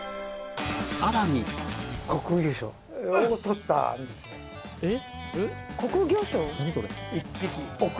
さらに・えっ？・えっ？